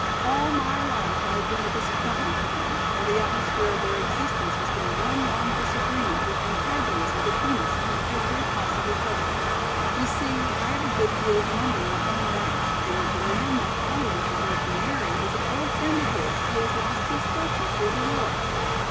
All my life I have been a disappointment to them and the atmosphere of our existence has been one long disagreement with antagonism between us on every possible subject. You see I have a good deal of money in my own right and the man my father wishes me to marry is an old friend of his, who has lost his fortune through the war.